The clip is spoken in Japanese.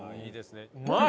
うまい！